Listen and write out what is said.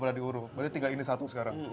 berarti tinggal ini satu sekarang